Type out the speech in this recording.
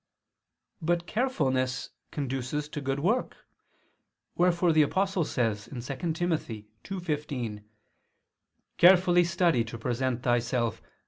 But carefulness conduces to good work: wherefore the Apostle says (2 Tim. 2:15): "Carefully study to present thyself